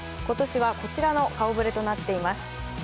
今年はこちらの顔ぶれとなっています。